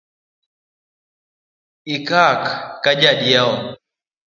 Ikak ka jadiewo